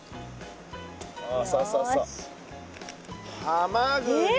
ハマグリ。